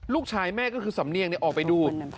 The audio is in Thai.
ลูกชายแม่ก็คือสำเนียงออกไปดู